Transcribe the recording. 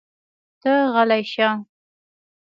ته غلی شه!